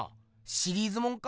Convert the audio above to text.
シリーズもんか？